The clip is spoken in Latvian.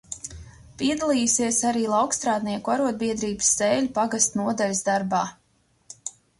Piedalījusies arī laukstrādnieku arodbiedrības Sēļu pagasta nodaļas darbā.